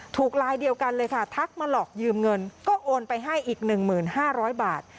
ลายเดียวกันเลยค่ะทักมาหลอกยืมเงินก็โอนไปให้อีก๑๕๐๐บาท